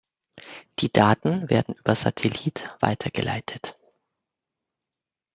Die Daten werden über Satellit weitergeleitet.